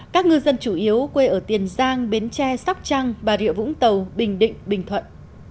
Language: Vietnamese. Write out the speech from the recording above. các ngư dân chủ yếu quê ở tiền giang bến tre sóc trăng bà rịa vũng tàu bình định bình thuận